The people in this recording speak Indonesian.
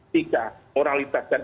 tiga moralitas dan